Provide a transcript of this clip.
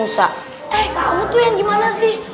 eh kamu tuh yang gimana sih